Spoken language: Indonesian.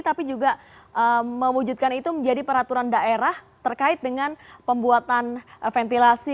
tapi juga mewujudkan itu menjadi peraturan daerah terkait dengan pembuatan ventilasi